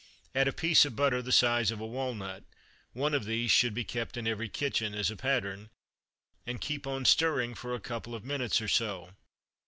Add a piece of butter the size of a walnut (one of these should be kept in every kitchen as a pattern), and keep on stirring for a couple of minutes or so.